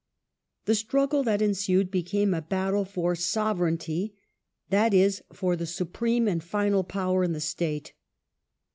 The struggle that ensued became a battle for "sove reignty ", that is for the supreme and final power in the state.